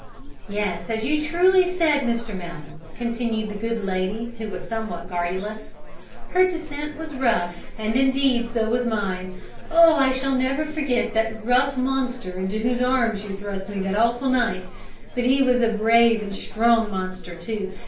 "Yes, as you truly said, Mr Mellon," continued the good lady, who was somewhat garrulous, "her descent was rough, and indeed, so was mine. Oh! I shall never forget that rough monster into whose arms you thrust me that awful night; but he was a brave and strong monster too.